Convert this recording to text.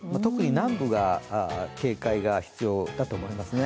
南部が特に警戒が必要だと思いますね。